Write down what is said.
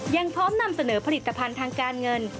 ยังพร้อมนำเสนอผลิตภัณฑ์ทางการเงิน